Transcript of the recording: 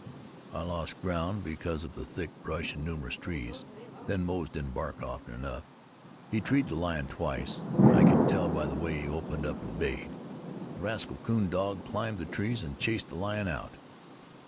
I lost ground because of the thick brush and numerous trees. Then Moze doesn't bark often enough. He treed the lion twice. I could tell by the way he opened up and bayed. The rascal coon dog climbed the trees and chased the lion out.